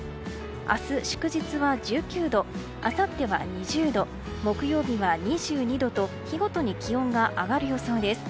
明日、祝日は１９度あさっては２０度木曜日は２２度と日ごとに気温が上がる予想です。